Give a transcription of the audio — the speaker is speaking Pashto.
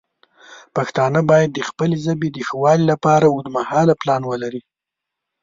پښتانه باید د خپلې ژبې د ښه والی لپاره اوږدمهاله پلان ولري.